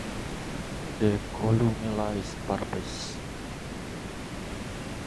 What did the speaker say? The columella is purplish.